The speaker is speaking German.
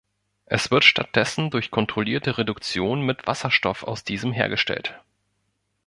Es wird stattdessen durch kontrollierte Reduktion mit Wasserstoff aus diesem hergestellt.